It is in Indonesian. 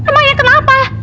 emang ya kenapa